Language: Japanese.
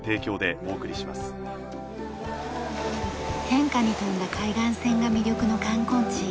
変化に富んだ海岸線が魅力の観光地